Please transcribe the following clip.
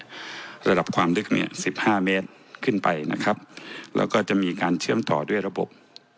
ระดับความลึกเนี่ยสิบห้าเมตรขึ้นไปนะครับแล้วก็จะมีการเชื่อมต่อด้วยระบบ